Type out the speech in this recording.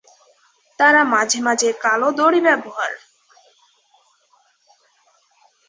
তারা মাঝে মাঝে কালো দড়ি ব্যবহার।